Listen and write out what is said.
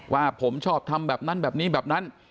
ว่าผมชอบทำแบบนั้นแบบนี้แบบนั้น